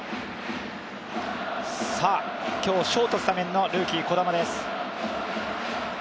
今日、ショートスタメンのルーキー・児玉です。